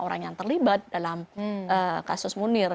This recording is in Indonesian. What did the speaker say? orang yang terlibat dalam kasus munir